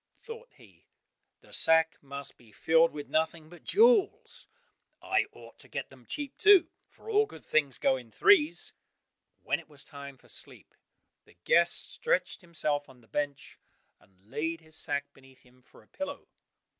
thought he; "the sack must be filled with nothing but jewels; I ought to get them cheap too, for all good things go in threes." When it was time for sleep, the guest stretched himself on the bench, and laid his sack beneath him for a pillow.